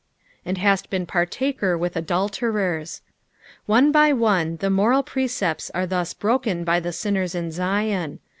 "And halt been partaker uriCA adulterert.''' One by one the moral precepts are thus broken by the sinners in Zion.